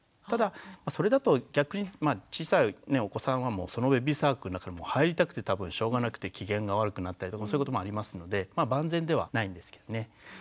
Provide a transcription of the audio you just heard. ただそれだと逆に小さいお子さんはもうそのベビーサークルの中に入りたくて多分しょうがなくて機嫌が悪くなったりとかそういうこともありますので万全ではないんですけどね。